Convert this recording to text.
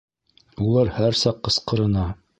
— Улар һәр саҡ ҡысҡырына...